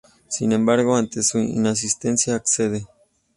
Sin embargo, ante su insistencia, accede.